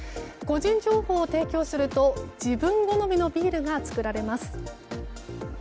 個人情報を提供すると自分好みのビールが造られます。